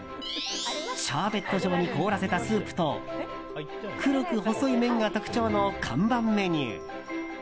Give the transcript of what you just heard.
シャーベット状に凍らせたスープと黒く細い麺が特徴の看板メニュー。